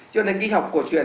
cho nên kỹ học cổ truyền